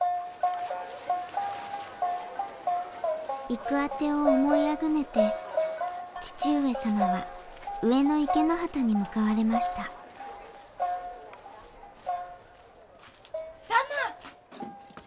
行く当てを思いあぐねて義父上様は上野池之端に向かわれました旦那。